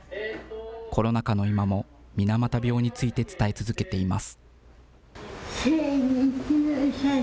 コロナ禍の今も、水俣病について伝え続けています。